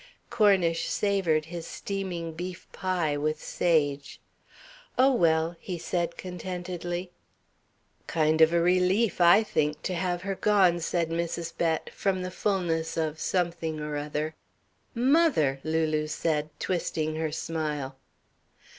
Cornish savoured his steaming beef pie, with sage. "Oh, well!" he said contentedly. "Kind of a relief, I think, to have her gone," said Mrs. Bett, from the fulness of something or other. "Mother!" Lulu said, twisting her smile.